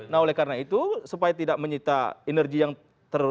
nah oleh karena itu supaya tidak menyita energi yang terbaru